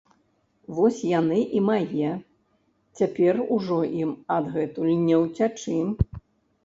- Вось яны і мае! Цяпер ужо ім адгэтуль не ўцячы!